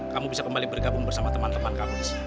kamu bisa kembali bergabung bersama teman teman kamu